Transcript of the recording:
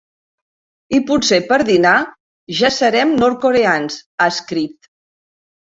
I potser per dinar ja serem nord-coreans, ha escrit.